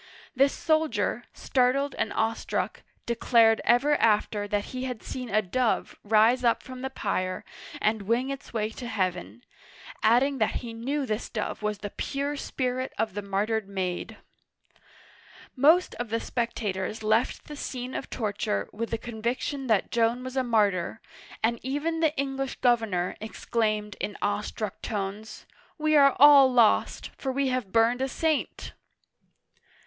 This soldier, startled and awestruck, declared ever after that he had seen a dove rise up from the pyre and wing its way to heaven, adding that he knew this dove was the pure spirit of the martyred maid ! Most of the spectators left the scene of torture with the conviction that Joan was a martyr, and even the English governor exclaimed in awestruck tones :" We are all lost, for we have burned a saint